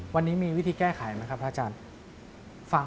วันนี้มีวิธีแก้ไขไหมครับพระอาจารย์